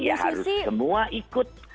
jadi ya harus semua ikut